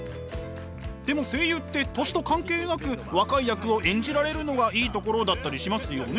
でも声優って年と関係なく若い役を演じられるのがいいところだったりしますよね？